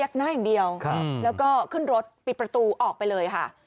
หน้าอย่างเดียวแล้วก็ขึ้นรถปิดประตูออกไปเลยค่ะ